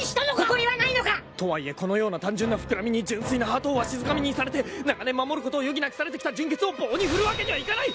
誇りはないのか！とはいえこのような単純な膨らみに純粋なハートをわしづかみにされて長年守ることを余儀なくされてきた純潔を棒に振るわけにはいかない！